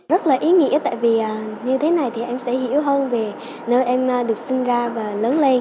rất là ý nghĩa tại vì như thế này thì em sẽ hiểu hơn về nơi em được sinh ra và lớn lên